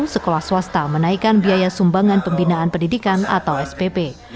sekolah swasta menaikkan biaya sumbangan pembinaan pendidikan atau spp